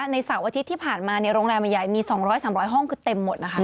เสาร์อาทิตย์ที่ผ่านมาโรงแรมใหญ่มี๒๐๐๓๐๐ห้องคือเต็มหมดนะคะ